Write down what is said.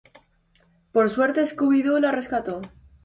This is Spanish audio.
Por suerte, Scooby-Doo la rescató.